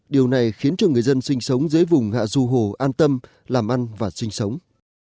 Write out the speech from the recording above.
điều này khiến cho người dân sinh sống dưới vùng hạ du hồ an tâm làm ăn và sinh sống